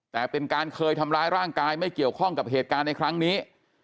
แต่เป็นการเคยทำร้ายร่างกายไม่เกี่ยวข้องกับเหตุการณ์ในครั้งนี้